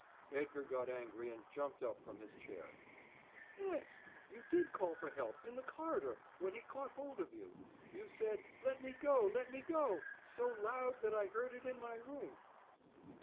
Edgar got angry and jumped up from his chair. "Yes, you did call for help, in the corridor, when he caught hold of you. You said, 'Let me go, let me go,' so loud that I heard it in my room."